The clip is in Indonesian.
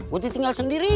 muti tinggal sendirian